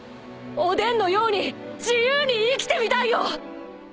おでんのように自由に生きてみたいよ！